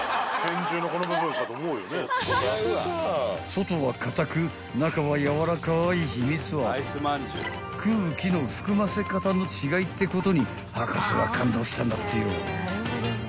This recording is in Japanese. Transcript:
［外は硬く中は軟らかい秘密は空気の含ませ方の違いってことに博士は感動したんだってよ］